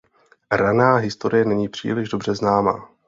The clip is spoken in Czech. Raná historie není příliš dobře známa.